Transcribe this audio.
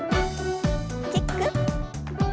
キック。